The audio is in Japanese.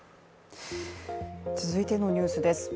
続いてのニュースです。